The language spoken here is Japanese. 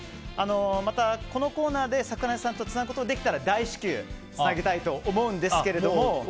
また、このコーナーで桜根さんとつなぐことができたら大至急つなげたいと思うんですけども。